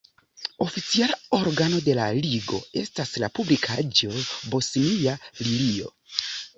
Oficiala organo de la Ligo estas la publikaĵo "Bosnia Lilio".